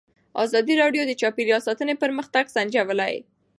ازادي راډیو د چاپیریال ساتنه پرمختګ سنجولی.